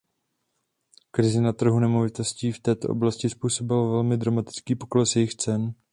Krize na trhu nemovitostí v této oblasti způsobila velmi dramatický pokles jejich cen.